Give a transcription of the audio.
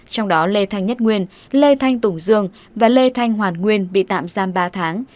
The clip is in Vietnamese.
trong đó lê thanh nhất nguyên lê thanh tùng dương và lê thanh hoàn nguyên bị tạm giam ba tháng